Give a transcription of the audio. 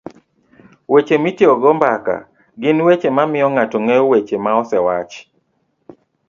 Weche mitiekogo mbaka gin weche mamiyo ng'ato ng'eyo weche maosewach